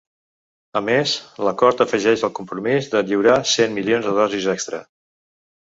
A més, l’acord afegeix el compromís de lliurar cent milions de dosis extra.